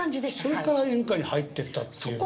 それから演歌に入ってったっていう。